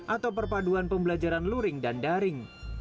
atau perpaduan pembelajaran luring dan daring